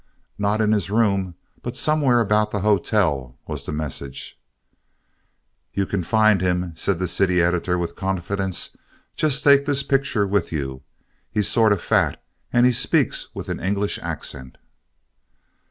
"Not in his room, but somewhere about the hotel," was the message. "You can find him," said the city editor with confidence. "Just take this picture with you. He's sort of fat and he speaks with an English accent."